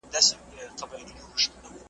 مرګه یو ګړی مو پرېږده چي هوسا سو `